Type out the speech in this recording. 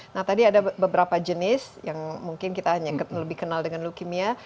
nah tadi ada beberapa jenis yang mungkin kita hanya lebih kenal dengan leukemia